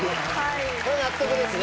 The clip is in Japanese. これは納得ですね。